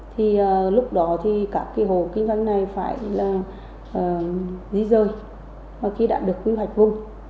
thì lúc đó thì cả cái hồ kinh doanh này phải là dí rơi và khi đã được quy hoạch vùng